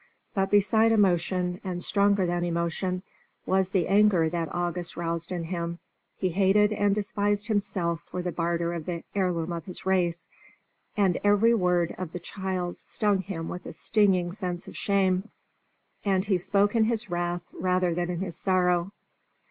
But beside emotion, and stronger than emotion, was the anger that August roused in him: he hated and despised himself for the barter of the heirloom of his race, and every word of the child stung him with a stinging sense of shame. And he spoke in his wrath rather than in his sorrow.